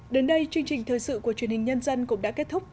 đến đây chương trình thời sự của truyền hình nhân dân cũng đã kết thúc